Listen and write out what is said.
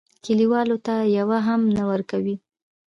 کلیوالو ته یوه هم نه ورکوي.